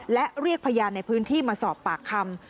และเรียกพยานในพื้นที่มาสอบปากคำ